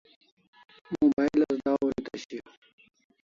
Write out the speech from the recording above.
Mobile as dahur eta shiaw